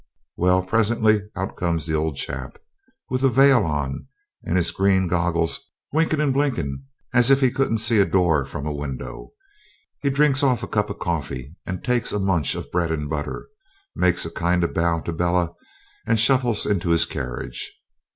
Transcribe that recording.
Well, presently out comes the old chap, with a veil on and his green goggles, winkin' and blinkin' as if he couldn't see a door from a window. He drinks off a cup of coffee and takes a munch of bread and butter, makes a kind of bow to Bella, and shuffles into his carriage.